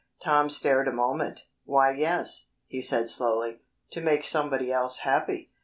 Tom stared a moment, "why yes," he said slowly, "to make somebody else happy."